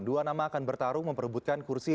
dua nama akan bertarung memperebutkan kursi